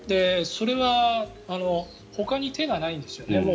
それはほかに手がないんですよね。